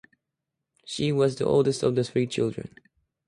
She was the oldest of three children.